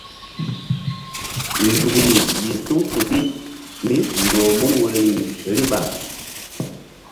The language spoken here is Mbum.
Nzukri yih su̧suki míndoh mun woyri riɓa.